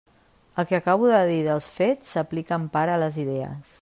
El que acabo de dir dels fets s'aplica en part a les idees.